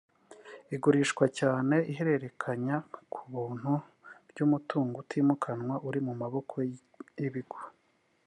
igurishwa cyangwa ihererekanya ku buntu ry’umutungo utimukanwa uri mu maboko y’ibigo